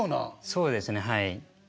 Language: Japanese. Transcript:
そうですねはい。